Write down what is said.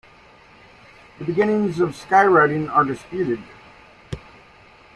The beginnings of skywriting are disputed.